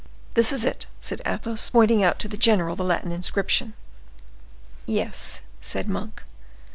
"This is it," said Athos, pointing out to the general the Latin inscription. "Yes," said Monk.